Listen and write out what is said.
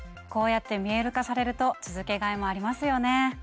こうやって見える化されると続けがいもありますよね。